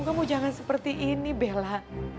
kamu jangan seperti ini bella